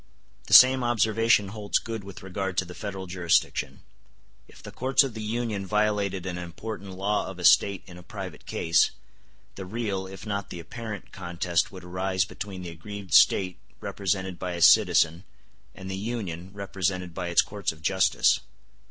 *t The same observation holds good with regard to the Federal jurisdiction. If the courts of the Union violated an important law of a State in a private case, the real, if not the apparent, contest would arise between the aggrieved State represented by a citizen and the Union represented by its courts of justice.